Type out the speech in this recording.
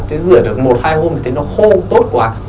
thế rửa được một hai hôm thì nó khô tốt quá